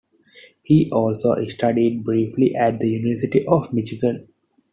He also studied briefly at the University of Michigan.